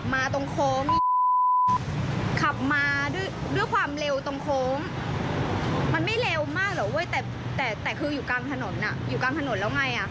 มันไม่เร็วมากเหรอเว้ยแต่คืออยู่กลางถนนอ่ะอยู่กลางถนนแล้วไงอ่ะ